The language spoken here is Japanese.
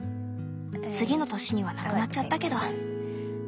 次の年にはなくなっちゃったけど。